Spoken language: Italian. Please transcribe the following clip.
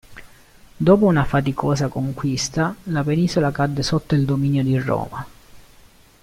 Dopo una faticosa conquista, la penisola cadde sotto il dominio di Roma.